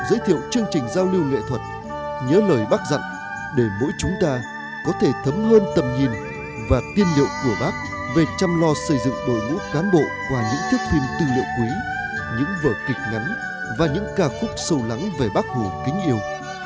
giới thiệu chương trình giao lưu nghệ thuật nhớ lời bác dặn để mỗi chúng ta có thể thấm hơn tầm nhìn và tiên liệu của bác về chăm lo xây dựng đội ngũ cán bộ qua những tiếp phim tư liệu quý những vở kịch ngắn và những ca khúc sâu lắng về bác hồ kính yêu